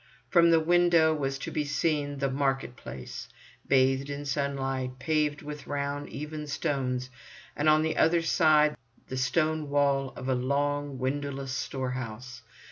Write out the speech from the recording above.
From the window was to be seen the market place, bathed in sunlight, paved with round, even stones, and on the other side the stone wall of a long, windowless storehouse.